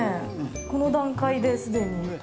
この段階で、既に。